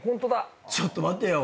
ちょっと待てよ。